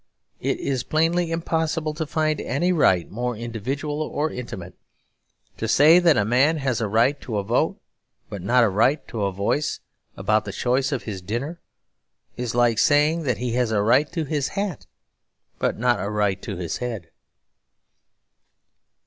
It is plainly impossible to find any right more individual or intimate. To say that a man has a right to a vote, but not a right to a voice about the choice of his dinner, is like saying that he has a right to his hat but not a right to his head.